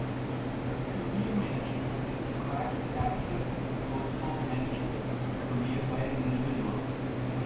Career management describes the active and purposeful management of a career by an individual.